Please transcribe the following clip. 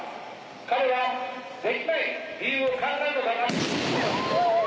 彼はできない理由を考えるのではなく。